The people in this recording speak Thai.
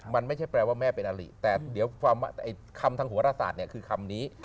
มันไม่ใช่แปลว่าแม่เป็นอลิแต่เดี๋ยวคำทางโหรศาสตร์คือคำนี้